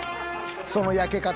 その焼け方。